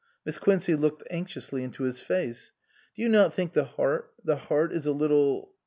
Miss Quincey looked anxiously into his face. "Do you not think the heart the heart is a little